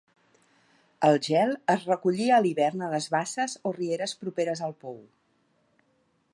El gel es recollia a l'hivern a les basses o rieres properes al pou.